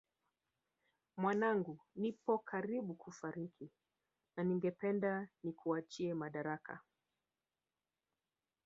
Mwanangu nipo karibu kufariki na ningependa nikuachie madaraka